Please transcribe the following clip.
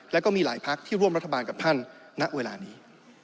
แล้วก็มีหลายพักที่ร่วมรัฐบาลกับท่านณเวลานี้